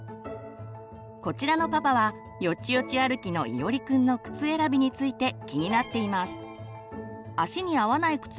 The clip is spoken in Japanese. こちらのパパはよちよち歩きのいおりくんの靴選びについて気になっています。